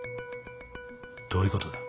どういうことだ？